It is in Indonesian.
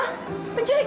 ada penculik kak